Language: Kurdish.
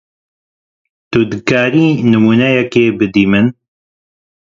Tu dikarî nimûneyekê bidî min?